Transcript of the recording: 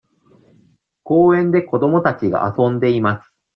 公園で子供たちが遊んでいます。